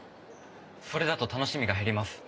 それだと楽しみが減ります。